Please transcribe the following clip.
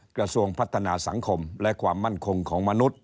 กระทรวงพัฒนาสังคมและความมั่นคงของมนุษย